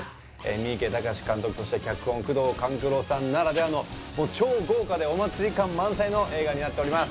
三池崇史監督そして脚本宮藤官九郎さんならではのもう超豪華でお祭り感満載の映画になっております